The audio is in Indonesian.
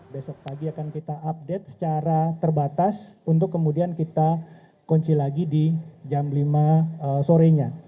besok pagi akan kita update secara terbatas untuk kemudian kita kunci lagi di jam lima sore nya